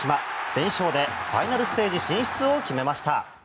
連勝でファイナルステージ進出を決めました。